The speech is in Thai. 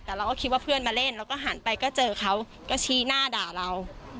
แต่เราก็คิดว่าเพื่อนมาเล่นแล้วก็หันไปก็เจอเขาก็ชี้หน้าด่าเรา